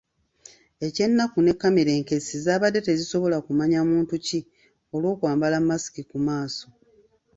Eky'ennaku ne kamera enkessi zaabadde tezisobola kumanya muntu ki olw'okwambala masiki ku maaso.